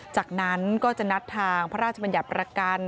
จากนั้นก็จะนัดทางพระราชบัญญัติประกัน